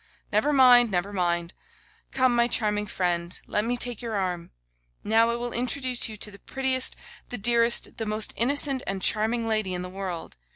Never mind, never mind. Come, my charming friend, let me take your arm. Now I will introduce you to the prettiest, the dearest, the most innocent and charming lady in the world.